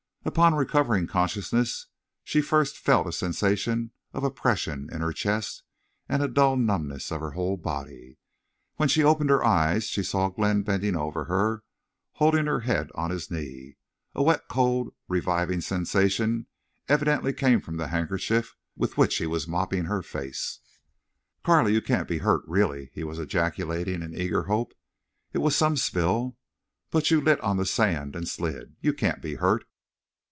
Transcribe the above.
Upon recovering consciousness she first felt a sensation of oppression in her chest and a dull numbness of her whole body. When she opened her eyes she saw Glenn bending over her, holding her head on his knee. A wet, cold, reviving sensation evidently came from the handkerchief with which he was mopping her face. "Carley, you can't be hurt—really!" he was ejaculating, in eager hope. "It was some spill. But you lit on the sand and slid. You can't be hurt."